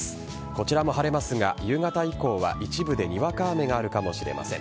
こちらも晴れますが夕方以降は一部でにわか雨があるかもしれません。